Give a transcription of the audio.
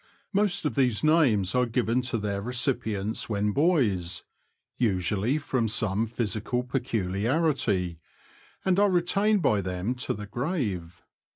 Most of these names are given to their recipients when boys, usually from some physical peculiarity, and are retained by them to the grave.